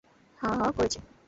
হ্যাঁ, হ্যাঁ, করছে।